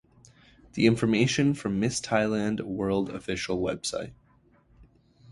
The information from Miss Thailand World Official website.